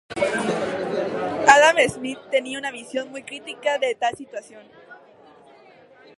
Adam Smith tenía una visión muy crítica de tal situación.